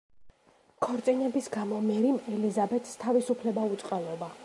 ქორწინების გამო მერიმ ელიზაბეთს თავისუფლება უწყალობა.